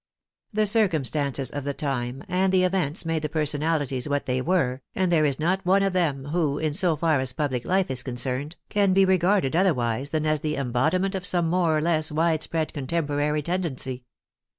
The circumstances of the time and the events made the personalities what they were, and there is not one of them who, in so far as public life is con cerned, can be regarded otherwise than as the embodi ment of some more or less wide spread contemporary tendency.